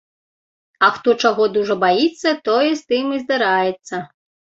А хто чаго дужа баіцца, тое з тым і здараецца.